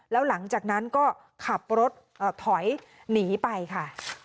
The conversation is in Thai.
แล้วหลังจากนั้นก็ขับรถถอยหนีไปค่ะ